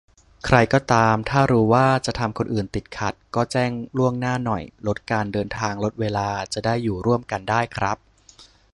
ใครก็ตาม ถ้ารู้ว่าจะทำคนอื่นติดขัด ก็แจ้งล่วงหน้าหน่อย ลดการเดินทาง ลดเวลา จะได้อยู่ร่วมกันได้ครับ